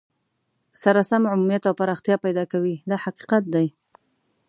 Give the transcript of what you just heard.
سره سم عمومیت او پراختیا پیدا کوي دا حقیقت دی.